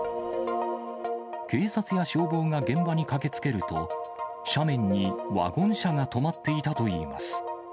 警察や消防が現場に駆けつけると、斜面にワゴン車が止まっていたといいます。